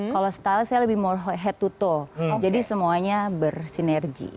kalau style saya lebih more head to jadi semuanya bersinergi